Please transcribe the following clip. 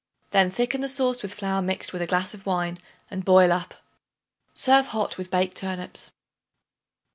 Then thicken the sauce with flour mixed with a glass of wine and boil up. Serve hot with baked turnips.